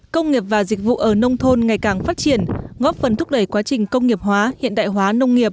công nghiệp và dịch vụ ở nông thôn ngày càng phát triển góp phần thúc đẩy quá trình công nghiệp hóa hiện đại hóa nông nghiệp